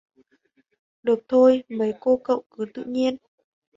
Được thôi mấy cô cậu cứ tự nhiên